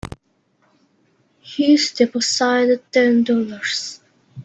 He's deposited Ten Dollars.